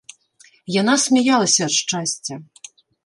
Яна смяялася ад шчасця.